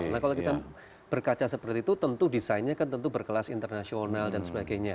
nah kalau kita berkaca seperti itu tentu desainnya kan tentu berkelas internasional dan sebagainya